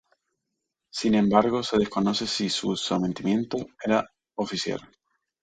Sin embargo, se desconoce si su sometimiento era oficial.